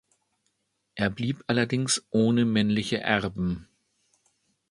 Er blieb allerdings ohne männliche Erben.